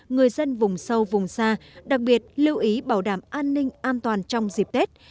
người dân vùng sâu vùng xa đặc biệt lưu ý bảo đảm an ninh an toàn trong dịp tết